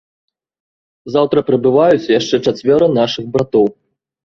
Заўтра прыбываюць яшчэ чацвёра нашых братоў.